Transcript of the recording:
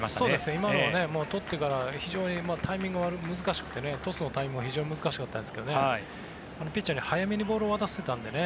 今のはとってからタイミングが難しくてトスのタイミングも非常に難しかったですがピッチャーに早めにボールを渡せたのでね。